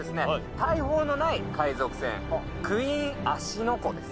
大砲のない海賊船クイーン芦ノ湖です。